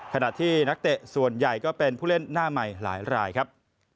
ขณะที่นักเตะส่วนใหญ่ก็เป็นผู้เล่นหน้าใหม่หลายรายครับ